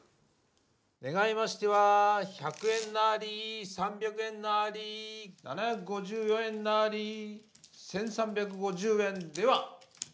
ねがいましては１００円なり３００円なり７５４円なり１，３５０円では！